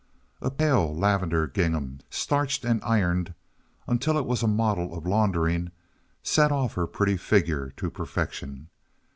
A pale lavender gingham, starched and ironed, until it was a model of laundering, set off her pretty figure to perfection.